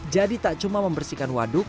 jadi tak cuma membersihkan waduk